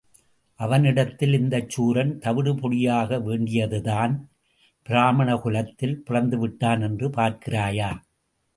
அவனிடத்தில் இந்தச் சூரன் தவிடுபொடியாக வேண்டியதுதான், பிராமணகுலத்– தில் பிறந்துவிட்டான் என்று பார்க்கிறாயா?